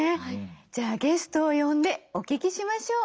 じゃあゲストを呼んでお聞きしましょう。